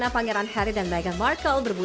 pangeran harry dan meghan markle berburu